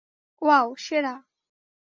Wow, সেরা!